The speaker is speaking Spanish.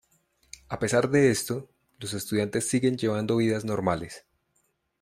A pesar de esto, los estudiantes siguen llevando vidas normales.